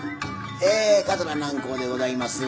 え桂南光でございます。